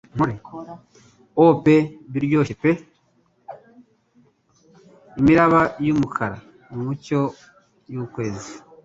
Oh pe biryoshye pe imiraba yumukara mumucyo yukwezi!)